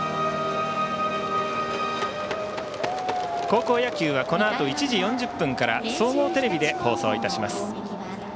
高校野球はこのあと１時４０分から総合テレビで放送いたします。